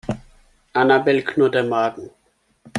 Annabel knurrt der Magen.